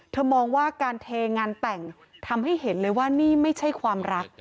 มองว่าการเทงานแต่งทำให้เห็นเลยว่านี่ไม่ใช่ความรัก